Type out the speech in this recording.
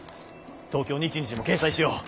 「東京日日」も掲載しよう！